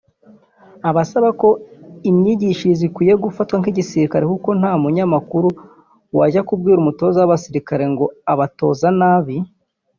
Asaba ko imyigishirize ikwiye gufatwa nk’igisirikare kuko nta munyamakuru wajya kubwira umutoza w’abasirikare ngo ‘ubatoza nabi’